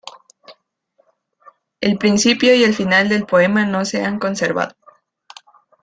El principio y el final del poema no se han conservado.